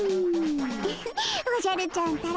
ウフッおじゃるちゃんったら。